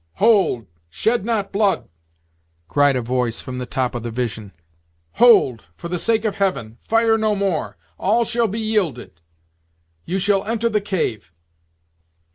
"Hold shied not blood!" cried a voice from the top of the Vision. "Hold, for the sake of Heaven, fire no more! all shall be yielded! you shall enter the cave!"